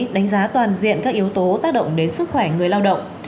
đánh giá toàn diện các yếu tố tác động đến sức khỏe người lao động